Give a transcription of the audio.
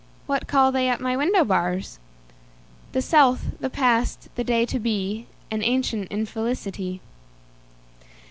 What call they at my window bars? The South, the past, the day to be, An ancient infelicity.